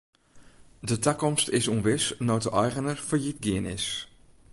De takomst is ûnwis no't de eigener fallyt gien is.